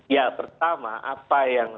ya pertama apa yang